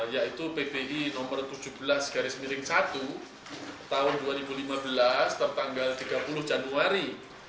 yaitu pbi no tujuh belas satu tahun dua ribu lima belas tertanggal tiga puluh januari dua ribu lima belas